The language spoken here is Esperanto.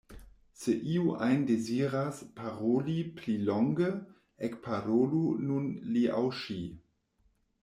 Se iu ajn deziras paroli pli longe, ekparolu nun li aŭ ŝi.